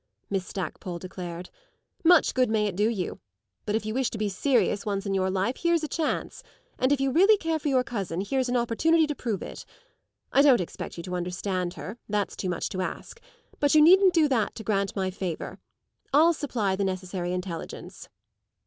Miss Stackpole declared. "Much good may it do you! But if you wish to be serious once in your life here's a chance; and if you really care for your cousin here's an opportunity to prove it. I don't expect you to understand her; that's too much to ask. But you needn't do that to grant my favour. I'll supply the necessary intelligence."